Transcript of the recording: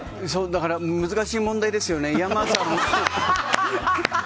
だから難しい問題ですよね。